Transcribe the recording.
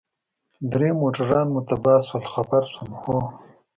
درې موټرونه مو تباه شول، خبر شوم، هو.